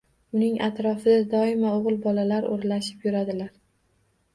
Uning atrofida doimo o‘g‘il bolalar o‘ralashib yuradilar.